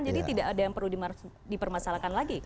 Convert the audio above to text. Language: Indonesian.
jadi tidak ada yang perlu dipermasalahkan lagi